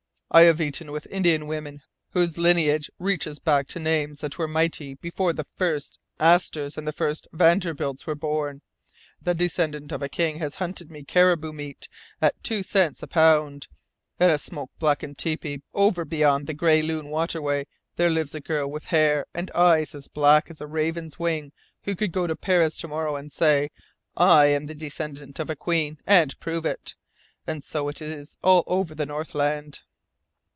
I have eaten with Indian women whose lineage reaches back to names that were mighty before the first Astors and the first Vanderbilts were born. The descendant of a king has hunted me caribou meat at two cents a pound. In a smoke blackened tepee, over beyond the Gray Loon waterway, there lives a girl with hair and eyes as black as a raven's wing who could go to Paris to morrow and say: 'I am the descendant of a queen,' and prove it. And so it is all over the Northland.